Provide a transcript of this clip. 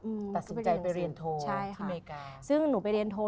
หนักเสียดายไปเรียนโทว์ซึ่งหนูไปเรียนโทว์